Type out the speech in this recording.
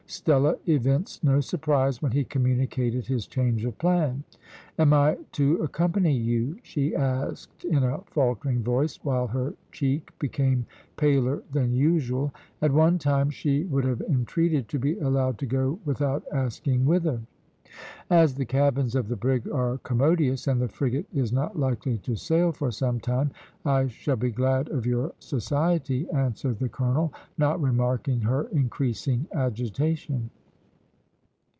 Stella evinced no surprise when he communicated his change of plan. "Am I to accompany you?" she asked in a faltering voice, while her cheek became paler than usual. At one time she would have entreated to be allowed to go without asking whither. "As the cabins of the brig are commodious, and the frigate is not likely to sail for some time, I shall be glad of your society," answered the colonel, not remarking her increasing agitation.